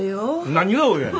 何が「およ」やねん。